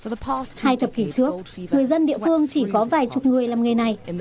và hai thập kỷ trước người dân địa phương chỉ có vài chục người làm nghề này